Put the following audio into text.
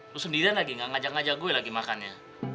lo sendirian lagi gak ngajak ngajak gue lagi makan ya